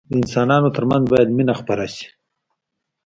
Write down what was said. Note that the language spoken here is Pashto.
د انسانانو ترمنځ باید مينه خپره سي.